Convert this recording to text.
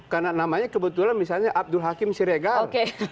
karena namanya kebetulan misalnya abdul hakim siregal